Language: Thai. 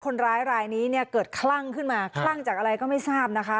คนร้ายรายนี้เนี่ยเกิดคลั่งขึ้นมาคลั่งจากอะไรก็ไม่ทราบนะคะ